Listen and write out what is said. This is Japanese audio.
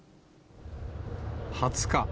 ２０日。